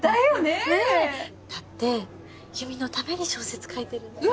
だって優美のために小説書いてるんだから。